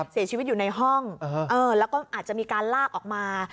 เสียชีวิตอยู่ในห้องแล้วก็อาจจะมีการลากออกมา